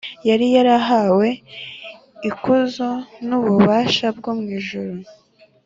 yari yarahawe ikuzo n’ububasha byo mu ijuru